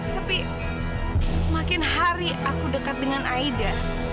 tapi semakin hari aku dekat dengan aida